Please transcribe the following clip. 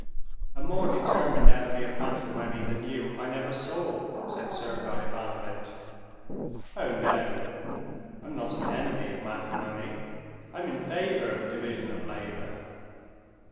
"A more determined enemy of matrimony than you I never saw," said Sergey Ivanovitch. "Oh, no, I'm not an enemy of matrimony. I'm in favor of division of labor.